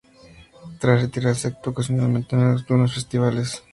Tras retirarse, actuó ocasionalmente en algunos festivales.